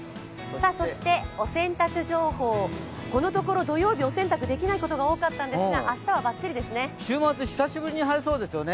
お洗濯情報、このところ土曜日お洗濯できないことが多かったんですが週末、久しぶりに晴れそうですよね。